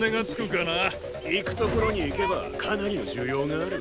行く所に行けばかなりの需要がある。